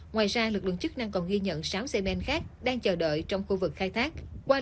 ngoài ra lực lượng chức năng còn ghi nhận sáu xe men khác đang chờ đợi trong khu vực khai thác